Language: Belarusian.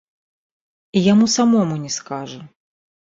І яму самому не скажа.